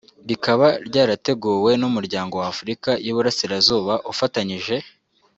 rikaba ryarateguwe n’umuryango wa Afurika y’Iburasirazuba ufatanyije